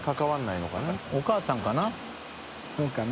お母さんかな？